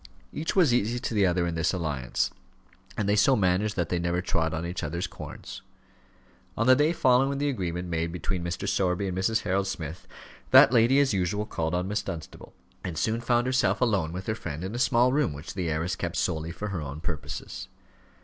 Each was easy to the other in this alliance, and they so managed that they never trod on each other's corns. On the day following the agreement made between Mr. Sowerby and Mrs. Harold Smith, that lady as usual called on Miss Dunstable, and soon found herself alone with her friend in a small room which the heiress kept solely for her own purposes.